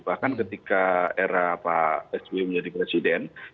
bahkan ketika era pak sby menjadi presiden